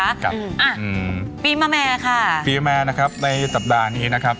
ครับอ่ะอืมปีมะแม่ค่ะปีแม่นะครับในสัปดาห์นี้นะครับ